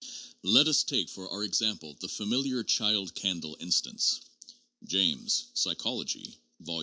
Let us take, for our example, the familiar child candle instance. (James, Psychology, Vol.